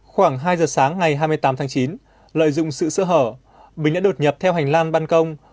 khoảng hai giờ sáng ngày hai mươi tám tháng chín lợi dụng sự sơ hở bình đã đột nhập theo hành lang ban công